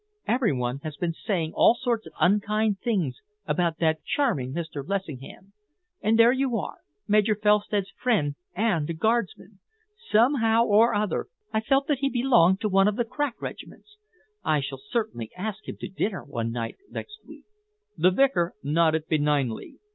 Every one has been saying all sorts of unkind things about that charming Mr. Lessingham, and there you are Major Felstead's friend and a Guardsman! Somehow or other, I felt that he belonged to one of the crack regiments. I shall certainly ask him to dinner one night next week." The vicar nodded benignly.